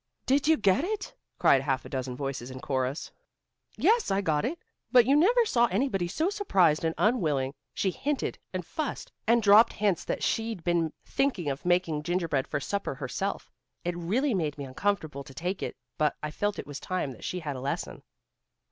"Did you get it?" cried half a dozen voices in chorus. "Yes, I got it, but you never saw anybody so surprised and unwilling. She hinted and fussed, and dropped hints that she'd been thinking of making gingerbread for supper herself. It really made me uncomfortable to take it, but I felt it was time that she had a lesson."